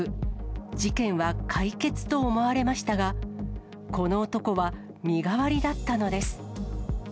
事件は解決と思われましたが、この男は身代わりだったのです。